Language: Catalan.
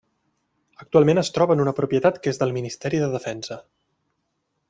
Actualment es troba en una propietat que és del Ministeri de Defensa.